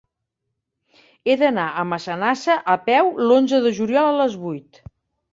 He d'anar a Massanassa a peu l'onze de juliol a les vuit.